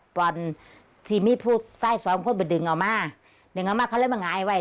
ตอนที่มีผู้ใต้สองคนไปดึงออกมาดึงออกมาเขาเลยมาหงายไว้